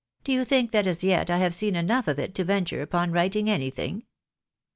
Do you think that as yet I have seen enough of it to venture upon writing anything